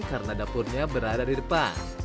karena dapurnya berada di depan